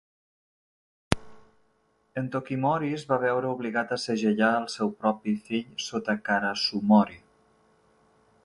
En Tokimori es va veure obligat a segellar el seu propi fill sota Karasumori.